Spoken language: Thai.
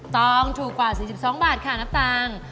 ต้องถูกกว่า๔๒บาทค่ะนับตังค์